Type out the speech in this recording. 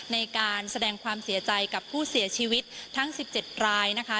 ในการแสดงความเสียใจกับผู้เสียชีวิตทั้ง๑๗รายนะคะ